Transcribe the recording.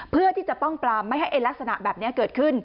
เพื่อที่จะป้องปลามไม่ให้ลักษณะแบบนี้เกิดขึ้น